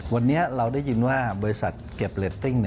วันนี้เราได้ยินว่าบริษัทเก็บเรตติ้ง